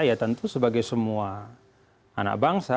ya tentu sebagai semua anak bangsa